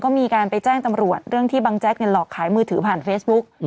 ก็มีการไปแจ้งตำรวจเรื่องที่บังแจ๊กหลอกขายมือถือผ่านเฟซบุ๊ก